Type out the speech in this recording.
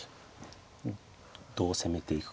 どう攻めていくか。